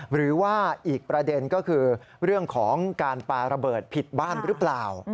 หรือว่าอีกประเด็นก็คือเรื่องของการปาระเบิดผิดบ้านหรือเปล่า